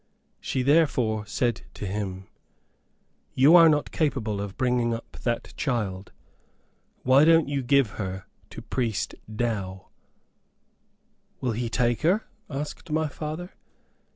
She therefore said to him, "You are not capable of bringing up that child; why don't you give her to Priest Dow?" "Will he take her?" asked my father.